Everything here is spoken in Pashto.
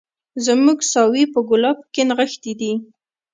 زموږ ساوي په ګلابو کي نغښتي دي